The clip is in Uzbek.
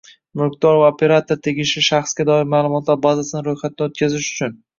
Mulkdor va operator tegishli shaxsga doir ma’lumotlar bazasini ro‘yxatdan o‘tkazish uchun